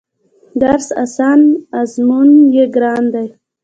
درس اسان ازمون يې ګران دی